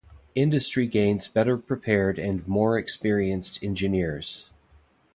Industry gains better prepared and more experienced engineers.